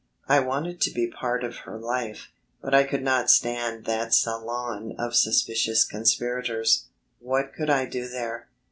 I wanted to be part of her life, but I could not stand that Salon of suspicious conspirators. What could I do there?